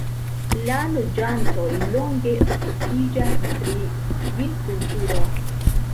La loĝantoj longe okupiĝas pri vinkulturo.